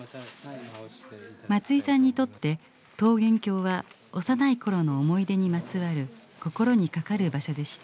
松居さんにとって桃源郷は幼い頃の思い出にまつわる心にかかる場所でした。